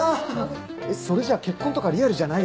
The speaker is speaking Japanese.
それじゃあ結婚とかリアルじゃないよね？